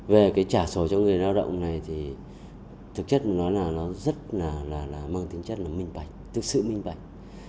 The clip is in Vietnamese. về cái trả sổ cho người lao động này thì thực chất nó rất là mang tính chất là minh bạch thực sự minh bạch